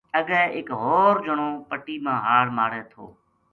اگے ایک ہو ر جنو پٹی ما ہاڑ مارے تھو